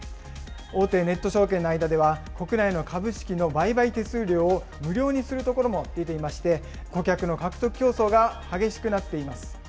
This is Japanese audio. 大手ネット証券の間では、国内の株式の売買手数料を無料にするところも出ていまして、顧客の獲得競争が激しくなっています。